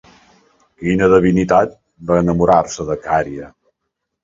Quina divinitat va enamorar-se de Cària?